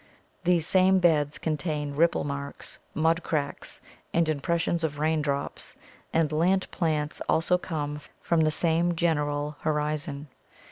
These same beds contain ripple marks, mud cracks, and impressions of rain drops, and land plants also come from the same general horizon.